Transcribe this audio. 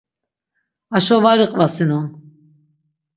Aşo var iqvasinon.